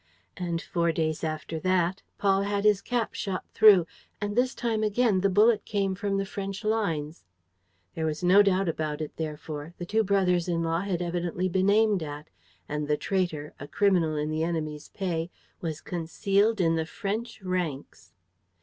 And, four days after that, Paul had his cap shot through: and, this time again, the bullet came from the French lines. There was no doubt about it therefore. The two brothers in law had evidently been aimed at; and the traitor, a criminal in the enemy's pay, was concealed in the French ranks.